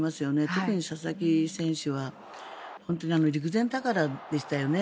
特に佐々木選手は本当に陸前高田でしたよね。